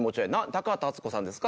高畑淳子さんですか？